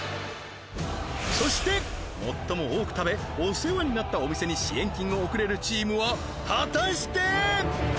そして最も多く食べお世話になったお店に支援金を贈れるチームは果たして？